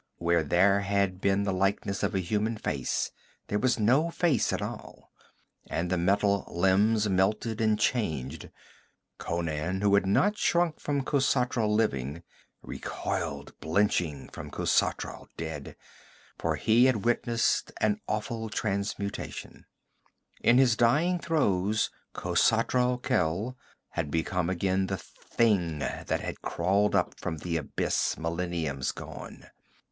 Where there had been the likeness of a human face, there was no face at all, and the metal limbs melted and changed.... Conan, who had not shrunk from Khosatral living, recoiled blenching from Khosatral dead, for he had witnessed an awful transmutation; in his dying throes Khosatral Khel had become again the thing that had crawled up from the Abyss millenniums gone.